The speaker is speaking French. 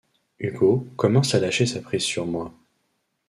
Hugo commence à lâcher sa prise sur moi.